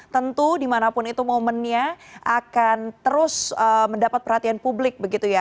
tentu dimanapun itu momennya akan terus mendapat perhatian publik begitu ya